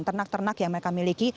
ternak ternak yang mereka miliki